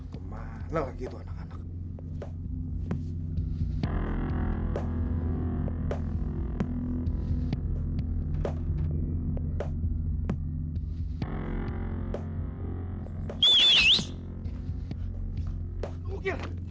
kemana lagi itu anak anak